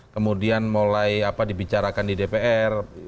kemudian mulai dibicarakan di dpr